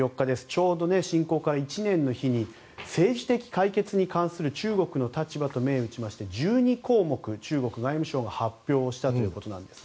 ちょうど侵攻から１年の日に政治的解決に関する中国の立場と銘打って１２項目を中国外務省が発表したということです。